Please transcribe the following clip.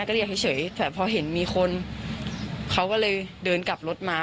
ก็เรียกเฉยแต่พอเห็นมีคนเขาก็เลยเดินกลับรถมา